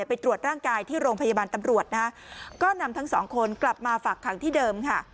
ไปตรวจร่างกายที่โรงพยาบาลตำรวจนะฮะก็นำทั้งสองคนกลับมาฝากขังที่เดิมค่ะ